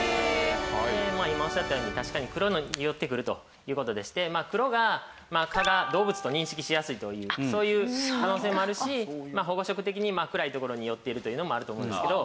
今おっしゃったように確かに黒に寄ってくるという事でして黒が蚊が動物と認識しやすいというそういう可能性もあるし保護色的に暗いところに寄っているというのもあると思うんですけど